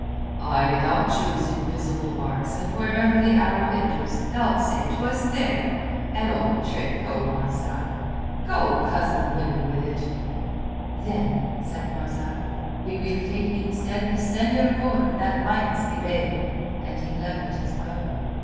"Ay, thou'lt choose invisible marks, and wherever the arrow enters thou'lt say 'twas there! An old trick, O Marzak. Go cozen women with it." "Then," said Marzak, "we will take instead the slender cord that binds the bale." And he levelled his bow.